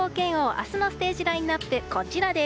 明日のステージラインアップはこちら。